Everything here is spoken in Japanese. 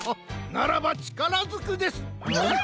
ならばちからずくです！